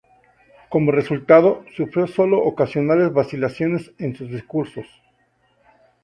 Como resultado, sufrió sólo ocasionales vacilaciones en sus discursos.